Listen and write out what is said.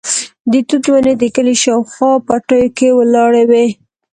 د توت ونې د کلي شاوخوا پټیو کې ولاړې وې.